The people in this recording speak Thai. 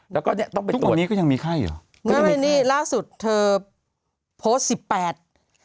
แล้วก็ต้องไปตรวจ